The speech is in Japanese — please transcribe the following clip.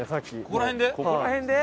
ここら辺で？